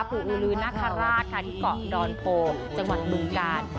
ปู่อื้อลื้อนาฆราชที่เกาะดอนโพจังหวัดบรึงกาล